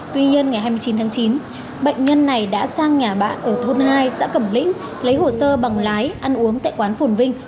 tuy nhiên ngày hai mươi chín tháng chín bệnh nhân này đã sang nhà bạn ở thôn hai xã cẩm lĩnh lấy hồ sơ bằng lái ăn uống tại quán phồn vinh